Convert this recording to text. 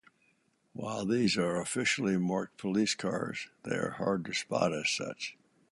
While these are officially marked police cars, they are hard to spot as such.